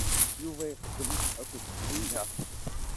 Yuba ixeddem akked Tanina.